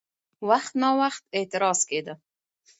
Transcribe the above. وخت ناوخت اعتراض کېده؛